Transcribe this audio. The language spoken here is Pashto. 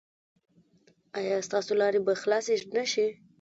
ایا ستاسو لارې به خلاصې نه شي؟